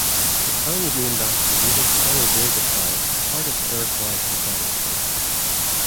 The town is named after the native Onondaga tribe, part of the Iroquois Confederacy.